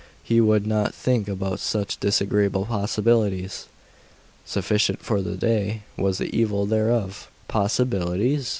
He would not think about such disagreeable possibilities. Sufficient for the day was the evil thereof. Possibilities?